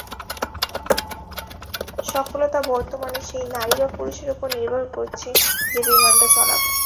সফলতা, বর্তমানে সেই নারী বা পুরুষের ওপর নির্ভর করছে, যে বিমানটা চালাবে।